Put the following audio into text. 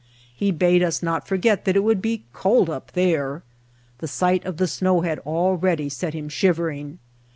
He bade us not forget that it would be cold up there. The sight of the snow had already set him shivering.